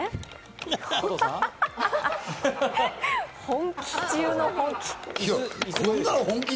本気中の本気。